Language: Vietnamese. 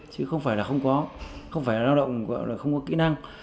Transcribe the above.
chứ không phải là không có không phải là lao động không có kỹ năng